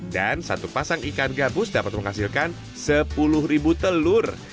dan satu pasang ikan gabus dapat menghasilkan sepuluh ribu telur